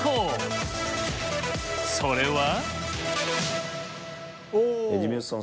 それは。